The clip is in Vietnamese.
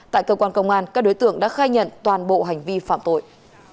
tại cơ quan công an các đối tượng đã khai nhận toàn bộ hành vi phạm tội